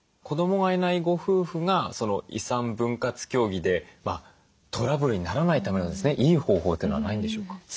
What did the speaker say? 子どもがいないご夫婦が遺産分割協議でトラブルにならないためのいい方法というのはないんでしょうか？